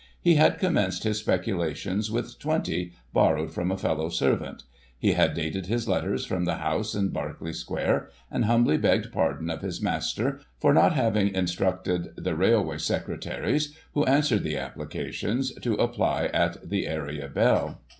He had commenced his specu lations with twenty, borrowed from a fellow servant. He had dated his letters from the house in Berkeley Square, and humbly begged pardon of his master, for not having instructed the railway secretaries, who answered the applications, to apply at the area bell.